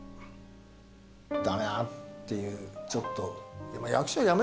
っていうちょっと。